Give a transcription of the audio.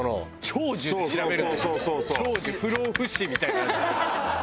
「長寿不老不死」みたいな。